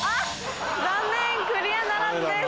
残念クリアならずです。